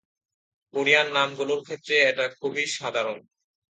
Korean নামগুলোর ক্ষেত্রে এটা খুবই সাধারণ।